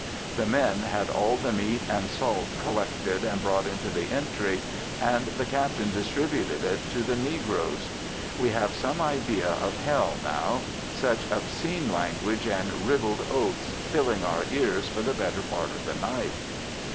The men had all the meat and salt collected and brought into the entry and the captain distributed it to the negroes. We have some idea of Hell now; such obscene language and ribald oaths filling our ears for the better part of the night.